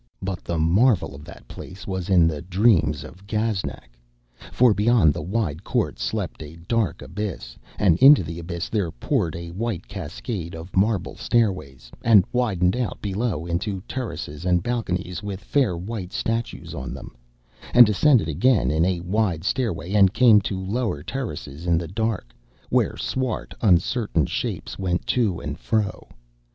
But the marvel of that place was the dreams of Gaznak; for beyond the wide court slept a dark abyss, and into the abyss there poured a white cascade of marble stairways, and widened out below into terraces and balconies with fair white statues on them, and descended again in a wide stairway, and came to lower terraces in the dark, where swart uncertain shapes went to and fro.